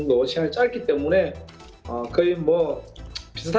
karena thailand lebih kurang dari kita